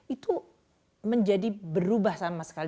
itu menjadi berubah sama sekali